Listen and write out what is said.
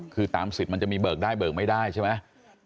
คือตามสิทธิ์มันจะมีเบิกได้เบิกไม่ได้ใช่ไหม